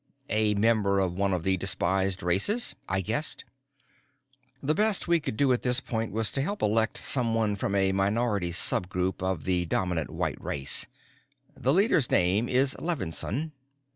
"A member of one of the despised races?" I guessed. "The best we could do at this point was to help elect someone from a minority sub group of the dominant white race. The leader's name is Levinsohn.